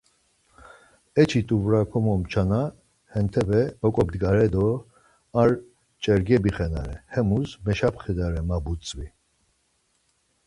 Eçi t̆uvra komomçana hentepe oǩobdgare do ar çerge bixenare, hemus meşapxedare ma butzvi.